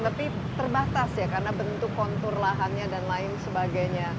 tapi terbatas ya karena bentuk kontur lahannya dan lain sebagainya